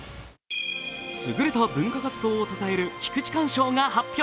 優れた文化活動をたたえる菊池寛賞が発表。